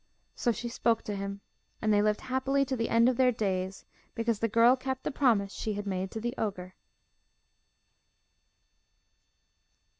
So she spoke to him, and they lived happily to the end of their days, because the girl kept the promise she had made to the ogre.